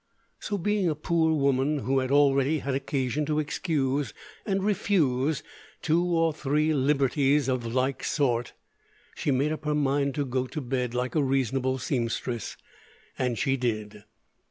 So, being a poor woman who had already had occasion to excuse and refuse two or three "libberties" of like sort, she made up her mind to go to bed like a reasonable seamstress, and she did.